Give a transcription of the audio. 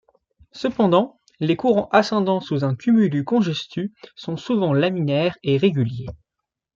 Cependant, Les courants ascendants sous un cumulus congestus sont souvent laminaires et réguliers.